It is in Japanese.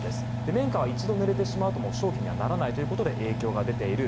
綿花は一度ぬれてしまうと商品にならないということで影響が出ている。